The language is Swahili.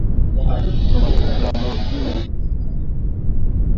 Kitunguu gram hamsini kitahitajika